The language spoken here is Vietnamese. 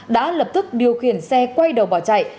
đã lập tức điều khiển xe quay đầu bỏ chạy